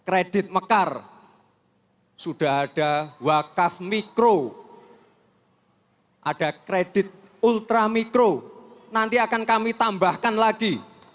kredit mekar sudah ada wakaf mikro ada kredit ultramikro nanti akan kami tambahkan lagi